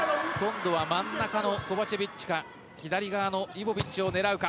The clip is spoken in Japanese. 真ん中のコバチェビッチか左側のイボビッチを狙うか。